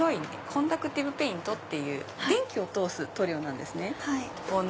コンダクティブペイントっていう電気を通す塗料なんですね。